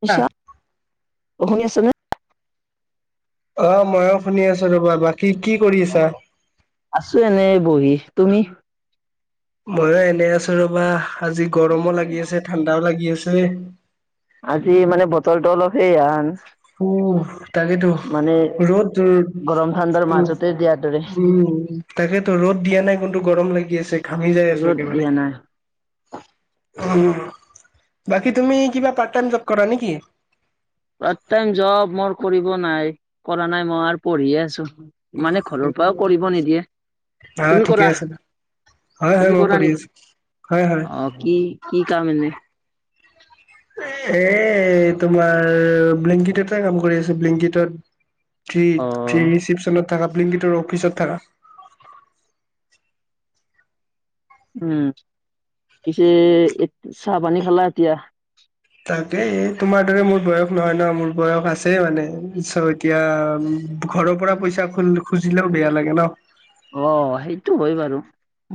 শুনিছা শুনি আছা নে? অ' ময়ো শুনি আছো ৰবা বাকী কি কৰি আছা? আছো এনেই বহি তুমি? ময়ো এনে আছো ৰবা আজি গৰমো লাগি আছে ঠাণ্ডাও লাগি আছে। আজি মানে বটলটো অলপ সে আন উ তাকেইেতো ৰ'দ গৰম ঠাণ্ডাৰ উ মাজতে দিয়াৰ দৰে উম তাকেতো ৰ'দ দিয়া নাই কন্তু গৰম লাগি আছে ঘামি যাই আছো ৰ'দ একেবাৰে। দিয়া নাই। [unintelligible] উম। বাকী তুমি কিবা পাৰ্ট টাইম জব কৰা নেকি? পাৰট টাইম জব মোৰ কৰিব নাই। কৰা নাই মই আৰু পঢ়িয়ে আছো। মানে ঘৰৰ পৰাও কৰিব নিদিয়ে। অ তুমি ঠিকে কৰা। আছে হয় হয় তুমি মই কৰা কৰি নেকি? আছো হয় হয়। অ', কি, কি কাম এনে। এ হে তোমাৰ ব্লিংকিটতে কাম কৰি আছে। ব্লিংকটত। কি অ [unintelligible] ৰিচিপচনত থকা ব্লিংকিটৰ অফিচত থাকা। উম, পিছে এ চাহ পানী খালা এতিয়া? তাকে তোমাৰ দৰে মোৰ বয়স নহয় নহ মোৰ বয়স আছে মানে পি এতিয়া ঘৰৰ পৰা পইচা খ খুজিলেও বেয়া লাগে ন। অ' সেইটো হয় বাৰু।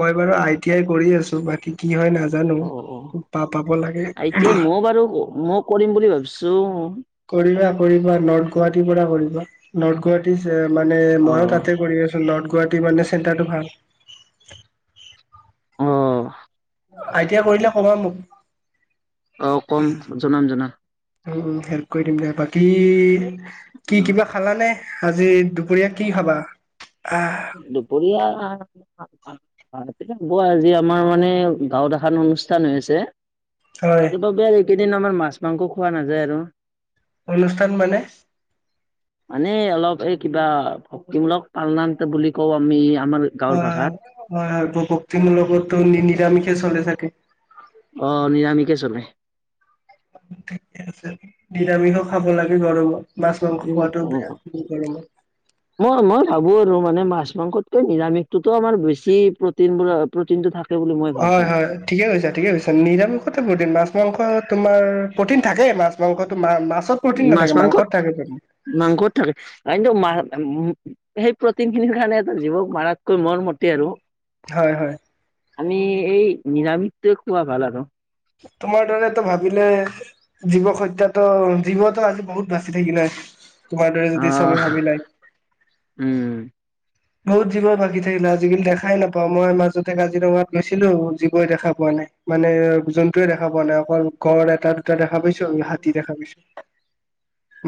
মই বাৰু আই টি আই কৰি আছো বাকী কি হয় নাজ জানো, অ অ খুব বাহ পাব লাগে। এতিয়া ময়ো বাৰু মই কৰিম বুলি ভাবিছো নৰ্ গাহীৰ পৰা কৰিব নৰ্ গুৱাহী মানে অ মইো তাতে কৰি আছো। [unintelligible] মানে চেণ্টাৰটো ভাল। অহ। আইটিয়া কৰিলে ক'বা মোক। অ কম জনাম জনাম। উম, উম। হেল্প কৰি দিম দিয়া। বাকী কি কিবা খালানে আজি? দুপৰীয়ে কি খাবা? আহ দুপৰীয়া। [unintelligible] [unintelligible] আজি, আমাৰ মানে গাঁওত এখন অনুষ্ঠান হৈ আছে। হয় তাৰ বাবে আৰু এইকেইদিন আমাৰ মাছ মাংস খোৱা নাযায় আৰু। অনুষ্ঠান মানে? মানে অলপ এই কিবা ভক্তিমূলক পালনাম বুলি কওঁ আমি। আমাৰ গাঁৱৰ ভাষাত [unintelligible] ভক্তিমূলকতো নিৰামিষে চলে চাগে। অ', নিৰামিষে চলে। ঠিকে আছে। নিৰামিষো খাব লাগে বাৰু। [unintelligible] মই, মই ভাবো আৰু মানে মাছ। মাংসতকৈ নিৰামিষটোতো আৰু বেছি প্ৰটিন, প্ৰটিনটো থাকে। বুলি মই ভাবো। হয়, হয়। ঠিকে কৈছা, ঠিকে কৈছা নিৰামিষত [unintelligible] মাছ মাংস তোমাৰ প্ৰটিন থাকে [unintelligible] মাছ, মাংসটো মা- মাছত প্ৰটিন মাছ- নাথাকে মাংসত, থাকে প্ৰটিন মাংসত থাকে। উম। সেই প্ৰ'টিন খিনিৰ কাৰণে এটা জীৱক মাৰাতকৈ মোৰ মতে আৰু- হয়, হয়। আমি, এই নিৰামিষটোৱে খোৱা ভাল আৰু- তোমাৰ দৰেতো ভাবিলে। জীৱক হত্যাতো, জীৱতো আজি বহুত বাচি থাকিলে হয়। তোমাৰ দৰে যদি চবে আহ ভাবি - [unintelligible] উম বহুত জীৱই বাকী থাকিলা। আজিকালি দেখাই নাপাও, মই মাজতে কাজিৰঙাত গৈছিলো বহুত জীৱই দেখা পোৱা নাই। মানে জন্তুৱে দেখা পোৱা নাই। অকল গড় এটা দুটা দেখা পাইছো, হাতী দেখা পাইছো।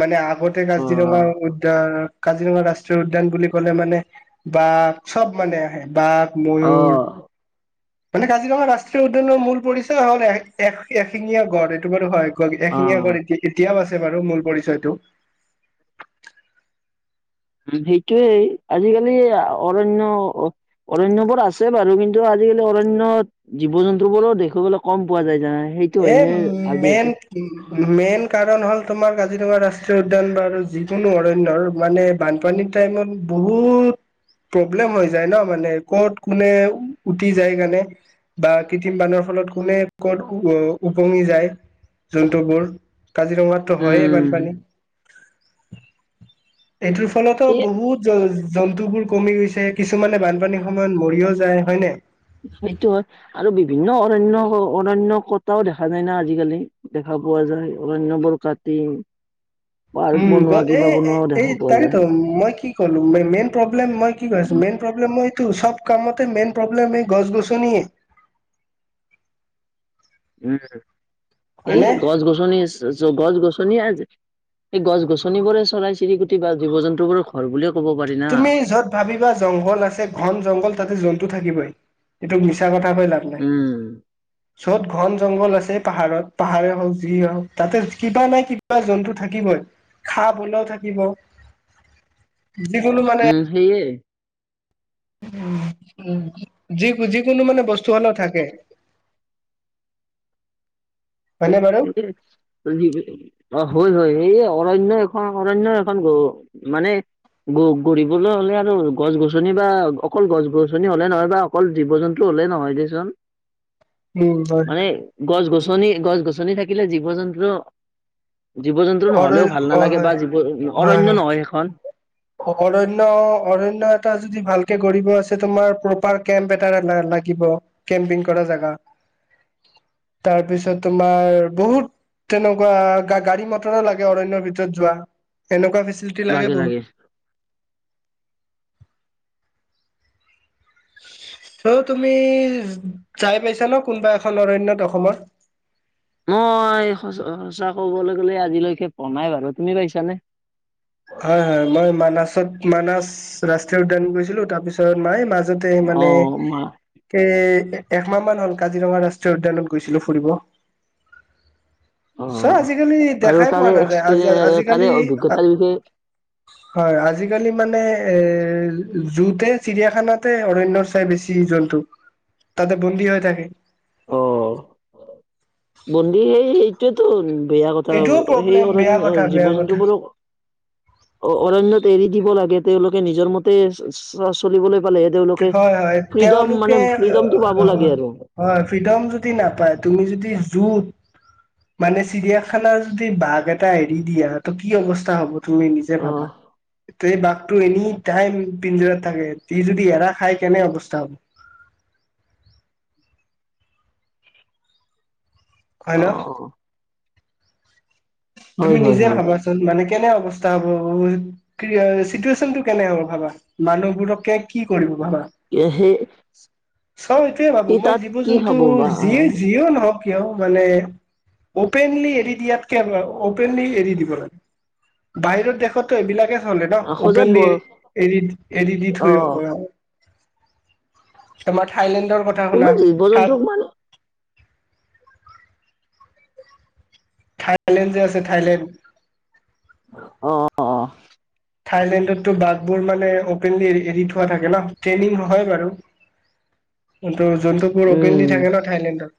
মানে আগতে অ কাজিৰঙা উদ্যান। কাজিৰঙা ৰাষ্ট্ৰীয় উদ্যান বুলি ক'লে, মানে বা চব মানে আহে। বাঘ, অ ময়ূৰ মানে কাজিৰঙা ৰাষ্ট্ৰীয় উদ্যানৰ মূল পৰি- হ'ল এ এশিঙীয়া গড়, এইটো বাৰু হয়। অ এশিঙীয়া গড়? উম, এতিয়া এতিয়াও আছে বাৰু। আৰু মূল পৰিচয়টো। উম, সেইটোয়েই। আজিকালি অৰণ্য অৰণ্যবোৰ আছে বাৰু। কিন্তু- আজিকালি অৰণ্যত জীৱ জন্তু বোৰো দেখিৱলৈ কম পোৱা যায়। জানানে? এ মেইন - মেইন কাৰণ হ'ল তোমাৰ গ [unintelligible] ৰাষ্ট্ৰীয় উদ্যান বা আৰু যিকোনো অৰণ্যৰ মানে বানপানীৰ টাইমত বহুত, প্ৰব্লেম হৈ যায় ন মানে ক'ত, কোনে উতি যায় কাৰণে, বা কৃত্ৰিম পানৰ ফলত কোনে ক'ত উপঙি যায় জন্তুবোৰ, কাজিৰঙাতটো হয় উম বানপানী, এইটোৰ ফলতো এই বহুত জ জন্তুবোৰ কমি গৈছে কিছুমানে বানপানীৰ সময়ত মৰিও যায় হয় নাই। সেইটো হয় আৰু বিভিন্ন অৰণ্য, অৰণ্য কটাও দেখা যায় না আজিকালি দেখা। পোৱা যায় অৰন্যাবোৰ কাটি পাৰ্ক উম বনোৱা গল, কিবা এই বনোৱাও দেখা এই পোৱা যায় তাকেতো মই কি কলো মেইন প্ৰব্লেম মই কি আছো মেইন, প্ৰ [unintelligible] টো সব কামতে মেইন প্ৰব্লেম এই গছ- গছনিয়ে। উম, এই হয়নে গছ-গছনি। গছ- গছনি আ। সেই গছ-গছনিবোৰে চৰাই- চিৰিকটি বা জীৱ জন্তু বোৰৰ ঘৰ বুলি [unintelligible] তুমি য'ত ভাবিবা জংঘল আছে। ঘন জংঘল তাতে জন্তু থাকিবই। এইটো মিছা কথা। [unintelligible] লাভ নাই। উম য'ত ঘন জংঘল আছে, পাহাৰত পাহাৰে হওক, যিয়ে হওক। তাতে কিবা নাই কিবা জন্তু থাকিবই। সাপ হ'লেও থাকিব। [inaudible] যিকোনো মানে উম, সেইয়ে। [unintelligible] যি যিকোনো মানে বস্তু হলেও থাকে। [inaudible] হয়নে বাৰু এজী [unintelligible] অ হয় হয়, হে অৰণ্য এখন অৰণ্য এখন হব, মানে গৰিবলৈ হলে আৰু, গছ গছনি বা অকল গছ গছনি হলে নহয় বা অকল জীৱ- জন্তু, নহয় দে চুন, উম হয় মানে হয় গছ গছনি, গছ গছনি গছনি থাকিলে জীৱ জন্তু, জীৱ জন্তুৰ অৰ নহলেও ভাল অ নালাগে, বা হয় হয় জীৱ হয় অৰণ্য হয় নহয় সেইখন। অৰণ্য অৰণ্য এটা যদি ভালকে কৰিব আছে, তোমাৰ প্ৰপাৰ কেম্প এ- থাকিব, কেম্পিং কৰা জেগা। [inaudible] তাৰপিছত, তোমাৰ বহুত তেনেকুৱা গাড়ী মটৰো লাগে অৰণ্যৰ ভিতৰত যোৱা, এনেকুৱা ফেচিটি লাগে বহুত। [inaudible] চ' তুমি যাই পাইছা ন কোনোবা এখন অৰণ্যত অসমৰ। মই সচ সঁচা ক'বলৈ গ'লে আজিলৈকে পনাই বাৰু তুমি পাইছানে হয় হয় মই মানাছত মানা ৰাষ্ট্ৰীয় উদ্যান গৈছিলো তাৰপিছত মায় ম যাতে অ মানে মা এ এমাহ মান হল কাজিৰঙা ৰাষ্ট্ৰীয় উদ্যানত গৈছিলো ফুৰিব। অ চব আজিকালি বাৰু দেখাই পোৱা তাৰে নাযায় আজি এক্সপিৰিয়ে তাৰে আজিকালি অভিজ্ঞতাৰ বিষয়ে হয় আজিকালি মানে এ জুতে চিৰিয়াখানাতে অৰণয়ৰ চাই বেছি জন্তু ততে বন্দী হৈ থাকে। অহ বন্দি সেই আহেইছ তো বেয়া কথা এইটোও সেই প্ৰব্লেম বেয়া অৰণ্য কথা জীৱ বেয়া কথা জন্তুবোৰক অ অৰণ্যয়ত এৰি দিব লাগে তেওঁলোকে নিজৰ মতে চলিবলৈ পালেহে তেওঁলোকে হয় হয় ফ্ৰীডম মানে তেওঁলোকে ফ্ৰীডমটো পাব লাগে আৰু হয় ফ্ৰীডম যদি নাপায় তুমি যদি যুত মানে চিৰিয়াখানাৰ যদি বাঘ এটা এৰি দিয়া ত কি অৱস্থা হ'ব। তুমি নিজে ভাবা অ এই বাঘটো এনি টাইম পিঞ্জত থাকে ত যদি [unintelligible] এৰা খাই, কেনে অৱস্থা হ'ব। অ [unintelligible] হয় তুমি হয় নিজে হয় ভাবাচোন মানে কেনে অ- [unintelligible] [unintelligible] চিটুৱেচনটো কেনে হব ভাবা, মানুহবোৰক কি কৰিব। [unintelligible] চব এইটোয়ে ভাবো। সি মই তাত কি জীৱ-জন্তু খাব বা যিয়ে যিও নহওক। কিয় মানে অপেনলি এৰি দিয়াতকে। অপেনলি এৰি দিব লাগে। বাহিৰৰ দেশতো এইবিলাকে- [unintelligible] সজাত ব অপেনলি এৰি এৰি দি অ থৈ। তোমাৰ থাইলেণ্ডৰ কথা শুনা কোনো জীৱ জন্তুক থাত মানে থাইলেণ্ড যে আছে থাইলেণ্ড অ অ অ থাইলেণ্ডতো বাটবোৰ মানে অপেনলি এৰি থোৱা থাকে ন ট্ৰেইনিং হয় বাৰু। জন্তু জন্তুবোৰ উম অপেনলি থাকে ন থাইলেণ্ডত।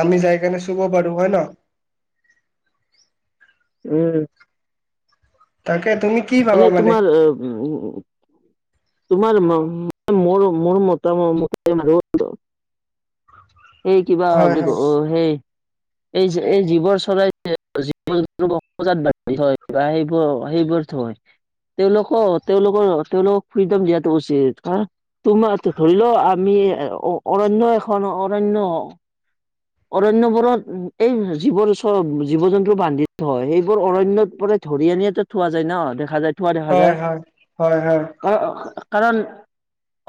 আমি যাই কিনে চুব পাৰো হয় ন। উম। তাকে তুমি কি ভাবা মানে তোমাৰ, উম, তোমাৰ মোৰ, মোৰ মতামত [unintelligible] সেই কিবা হয় বুলি ক হয় অ সেই এই এই জীৱ [unintelligible] [unintelligible] সেইবোৰ সেইবোৰ থয়। তেওঁলোকৰ, তেওঁলোকৰ, তেওঁলোক ফিদম দিয়টো উচিত হা। তোমাৰটো ধৰি লও। আমি অৰণ্য এখন অৰণ্য। অৰণ্যবোৰত এই যিবোৰ জীৱ -জন্তু বান্ধি থয় সেইবোৰ অৰণ্য। ধৰি আনি ইয়াতে থোৱা যায় ন। দেখা যায় থোৱা দেখা হয় যায় হয় হয় হয় [unintelligible] কাৰণ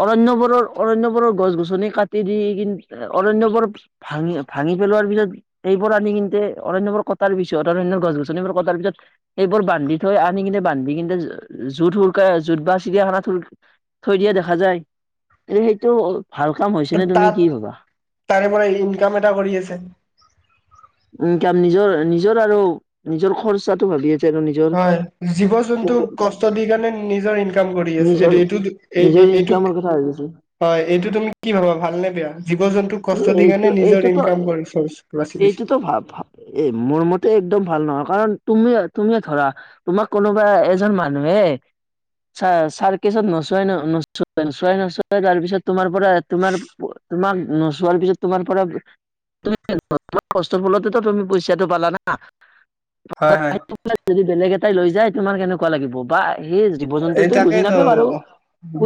অৰণ্যবোৰৰ অৰণ্যবোৰৰ গছ গছনি কাটি দি কিন্তু- অৰণ্যবোৰ ভাঙি, ভাঙি পেলোৱাৰ পিছত। এইবোৰ আনি কিন্ত- [unintelligible] অৰণ্যবোৰ কটাৰ পিছত অৰণ্য গছ -গছনিবোৰ কটাৰ পিছত। সেইবোৰ বান্ধি থৈ আনি কিনে বান্ধি কিনে [unintelligible] [unintelligible] থৈ দিয়া দেখা যায়। কিন্তু সেইটো ভাল কাম হৈছে নে, তুমি তাত কি ভবা? তাৰে পৰা ইনকাম এটা কৰি আছে। ইনকাম নিজৰ নিজৰ আৰু নিজৰ খৰচাটো ভাবি [unintelligible] হয়, জীৱ -জন্তু মোক কষ্ট দি কাৰণে নিজৰ ইনকাম কৰি আছে। নিজৰ এই এইটো [unintelligible] [unintelligible] কথা আহিছে। হয়, এইটো তুমি কি ভাবা ভাল নে বেয়া? জীৱ- জন্তু কষ্ট এ দি এইটো কাৰণে নিজৰ এইটোতো ইনকাম কৰিছে। এইটোতো ভাব। মোৰ মতে একদম ভাল নহয়, কাৰণ তুমি, তুমিয়ে ধৰা তোমাৰ কোনোবা এজন মানুহে। চ ছাৰ কেচত নোচোৱাই ন নোচো [unintelligible] নোচোৱাই নোচোৱাই তাৰপিছত তোমাৰ পৰা তোমাৰ। তোমাক নচো [unintelligible] চোৱাৰ পিছত তোমাৰ পৰা [unintelligible] কষ্ট ফলতেো তুমি পইচাটো পালা না। হয়, হয়। যদি বেলেগ এটাই লৈ যায়। তোমাৰ কেনেকুৱা লাগিব বা [unintelligible] এই জন্তুটো বুজি তাকেই তো নাপায় বাৰু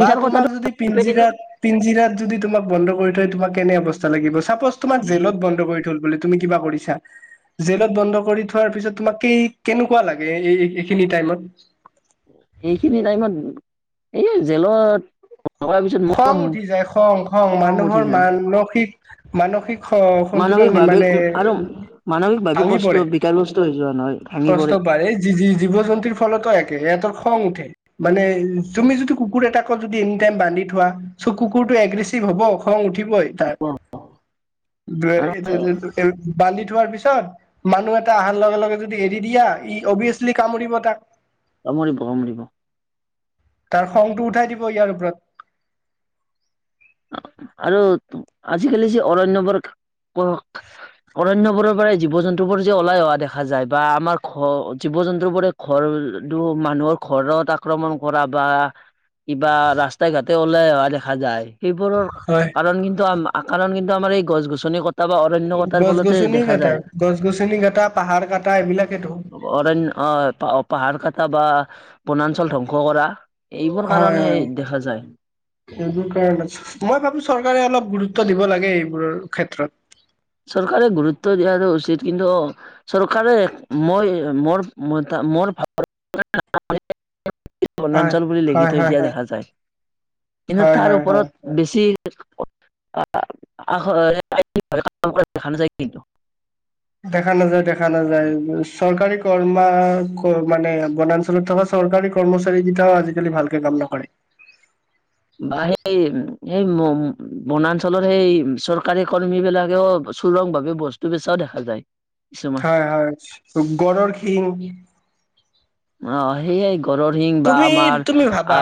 বা কথাটো তোমাক যদি কিন্তু পিঞ্জিৰাত, পিঞ্জিৰাত যদি তোমাক বন্দী। বন্ধ কৰি থয়। তোমাক কেনে অৱস্থা লাগিব। চাপজ তোমাক জেলত বন্ধ কৰি থল তুমি কিবা কৰিছা? জেলত বন্ধ কৰি থোৱাৰ পিছত তোমাক কে কেনেকুৱা লাগে? এই এইখিনি টাইমত। সেইখিনি টাইমত। এই জেলত। থকাৰ পিছত খং মোৰ উঠি যায়। খং, খং উঠি মানুহৰ যায়। মানসিক মানসিক- স-সন্তোলন হয় মানসিকভাৱে মানে। উম আৰু মানসিকভাৱে ভাঙি কষ্ট পৰে বিকাৰগ্ৰস্ত হৈ যোৱা নহয় ভাঙি কষ্ট পৰে। পায়। এই জি জি জীৱ-জন্তুৰ ফলতো এক। [unintelligible] খং উঠে মানে তুমি যদি কুকুৰ এটাক যদি [inaudible] [unintelligible] বান্ধি থোৱা চ' কুকুৰ টো এগিছিভ হব খং উঠিব উঠিবই তাৰ আৰু [unintelligible] বান্ধি থোৱাৰ পিছত মানুহ এটা আহাৰ লগে লগে, যদি এৰি দিয়া ই অভিয়াচলি কামুৰিব তাক। কামুৰিব, কামুৰিব। তাৰ খংটো উঠাই দিব ইয়াৰ ওপৰত। আৰু আজিকালি যি অৰণ্যবৰণ অৰণ্যবোৰৰ পৰা জীৱ জন্তুবোৰ যে ওলাই অহা দেখা যায়, বা আমাৰ ঘ জীৱ জন্তুবোৰে ঘৰ মানুহৰ ঘৰত আক্ৰমণ কৰা বা কিবা ৰাস্তা ঘাটে হলে অহা দেখা যায়। সেইবোৰৰ হয় কাৰণ কিন্তু কাৰণ কিন্তু আমাৰ এই গছ গছনি কত কটা বা অৰণ্য কটাৰ গছ ফলতে গছনি দেখা কটা যায়, গছ গছনি কটা পাহাৰ কটা এইবিলাকেতো অৰণ্য অ পা [unintelligible] পাহাৰ কাটা বা বনাঞ্চল ধ্বংস কৰা। এইবোৰ হয় কাৰণে হয় দেখা যায়। এইবোৰ কাৰণে মই ভাবো চৰকাৰে অলপ গুৰুত্ব দিব লাগে। এইবোৰৰ ক্ষেত্ৰত। চৰকাৰে গুৰুত্ব দিয়াটো উচিত। কিন্তু চৰকাৰে মই মোৰ- মোৰ ভা [unintelligible] [unintelligible] হয় বনাঞ্চল বুলি লিখি হয় থৈ হয় দিয়া দেখা যায়। কিন্তু হয় হয় তাৰ হয় ওপৰত হয় বেছি- [unintelligible] দেখা নাযায় কিন্তু। দেখা নাযায় দেখা নাযায় চৰকাৰী কৰ্মা মানে বনাঞ্চলত থকা চৰকাৰী কৰ্মচাৰী কেইটাও আজিকালি ভালকে কাম নকৰে। [inaudible] বা সেই সেই বনাঞ্চলৰ সেই চৰকাৰী কৰ্মী বিলাকেও চুৰংভাৱে বস্তু বেচাও দেখা যায়। কিছুমান হয় হয় গড়ৰ শিং অ সেইয়াই তুমি তুমি ভাবা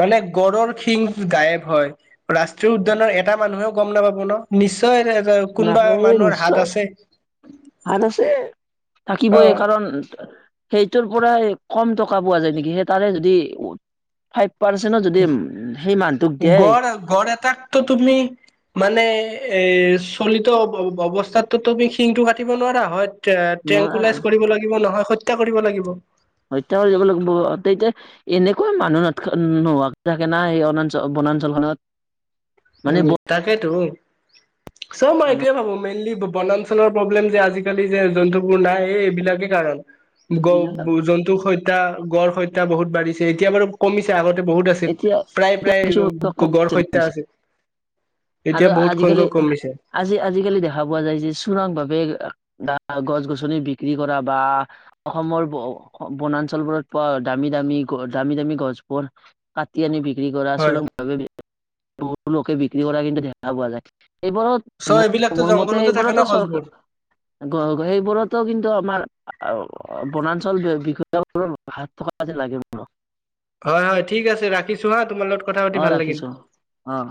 মানে গড়ৰৰ শিংটো গায়ব হয়, ৰাষ্ট্ৰীয় উদ্যানৰ এটা মানুহেও গম নাপাব ন নিশ্চয় কোনবা মানুহৰ হাত আছে। হাত আছে অ থাকিবই কাৰণ সেইটোৰ পৰাই কম টক কা পোৱা যায় নেকি, তাৰে যদি ফাইভ পাচেনো যদি উম সেই মানুহটোক দেই গড় গড় এটাকতো তুমি মানে এই চলিত অ ব অৱস্থাতো তুমি শিংটো কাটিব নোৱাৰা হয় ট্ৰে ট্ৰেংকুলাইজ কৰিব লাগিব নহয় হত্যা কৰিব লাগিব। হত্যা কৰিব লাগিব, তেতিয়া এনেকুৱা মানুহ নথকা নোহোৱা থাকে না সেই বনাঞ্চল বনাঞ্চলখনত। মানে উম ব তাকেইতো, চ মই মানুহ এইটোৱে ভাবো মেইনলি বনাঞ্চলৰ প্ৰব্লেম যে আজিকালি যে জন্তুবোৰ নাই এই এইবিলাকে কাৰণ। এইবিলাক গ জন্তুক হত্যা, গড় হত্যা বহুত বাঢ়িছে এতিয়া বাৰু কমিছে আগত এ বহুত আছিল এতিয়া এতিয়া প্ৰায়-প্ৰায় গ-গড় হত্যা কিছু আছে। আৰু এতিয়া বহুত সংখ্যক আজিকালি- কমিছে আজি-আজিকালি দেখা পোৱা যায় যে চোৰাং ভাৱে গছ গছনি বিক্ৰী কৰা বা অসমৰ বনাঞ্চলবোৰত পোৱা দামী দামী দামী দামী গছবোৰ কাটি আনি বিক্ৰী কৰা হয়। চোৰাংভাৱে বিক্ৰী বহুলোকে বিক্ৰী কৰা কিন্তু দেখা পোৱা যায়। চ' এইবোৰত এইবিলাকতো মোৰ মতে জংঘলতে থাকে ন সেইবোৰতো গছবোৰ চৰকাৰ সেইবোৰতো কিন্তু আমাৰ বনাঞ্চল বিষয়াসকলক হাত থকা যেন লাগে মানুহবোৰ। হয় হয় ঠিক আছে ৰাখিছো হা তোমাৰ লগত কথা পাতি অ ভাল লাগিল। ৰাখিছো অ